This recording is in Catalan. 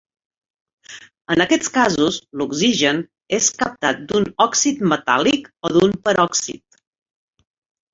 En aquests casos, l'oxigen és captat d'un òxid metàl·lic o d'un peròxid.